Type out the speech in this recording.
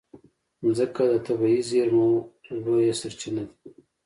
مځکه د طبعي زېرمو لویه سرچینه ده.